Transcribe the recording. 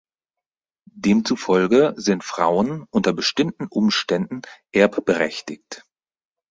Demzufolge sind Frauen unter bestimmten Umständen erbberechtigt.